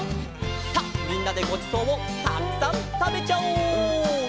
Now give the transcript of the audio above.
さあみんなでごちそうをたくさんたべちゃおう！